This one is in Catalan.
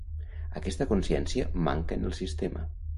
Aquesta consciència manca en el sistema.